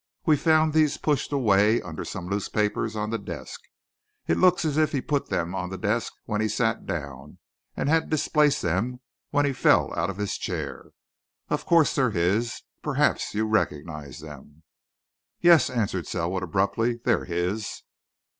We found these pushed away under some loose papers on the desk. It looks as if he'd put them on the desk when he sat down, and had displaced them when he fell out of his chair. Of course, they're his perhaps you recognize them?" "Yes," answered Selwood, abruptly. "They're his."